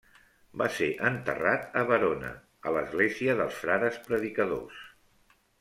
Va ser enterrat a Verona a l'església dels frares predicadors.